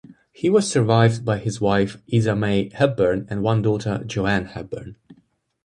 He was survived by his wife Ida Mae Hepburn and one daughter Joanne Hepburn.